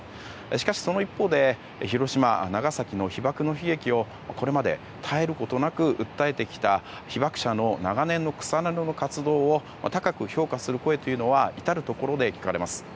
しかしその一方で広島、長崎の被爆の悲劇をこれまで絶えることなく訴えてきた被爆者の長年の草の根の活動を高く評価する声というのは至るところで聞かれます。